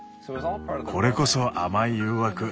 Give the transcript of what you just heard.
これこそ甘い誘惑。